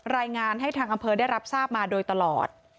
รายงานให้ทางอำเภอได้รับทราบมาโดยตลอด